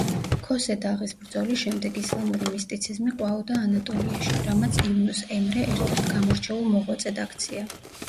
ქოსე-დაღის ბრძოლის შემდეგ ისლამური მისტიციზმი ყვაოდა ანატოლიაში, რამაც იუნუს ემრე ერთ-ერთ გამორჩეულ მოღვაწედ აქცია.